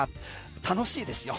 楽しいですよ。